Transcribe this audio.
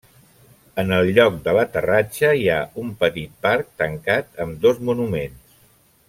En el lloc de l'aterratge hi ha un petit parc tancat amb dos monuments.